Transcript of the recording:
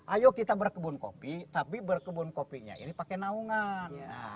ayo kita berkebun kopi tapi berkebun kopinya ini pakai naungan